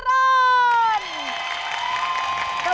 ครับทุกคน